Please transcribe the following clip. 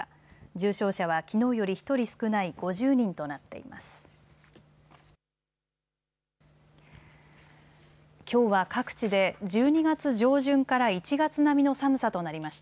重症者はきのうより１人少ない５０人となっています。